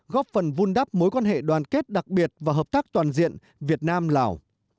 góp phần vun đắp mối quan hệ đoàn kết đặc biệt và hợp tác toàn diện việt nam lào